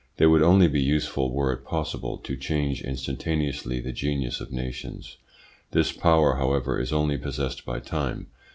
They would only be useful were it possible to change instantaneously the genius of nations. This power, however, is only possessed by time.